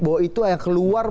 bahwa itu yang keluar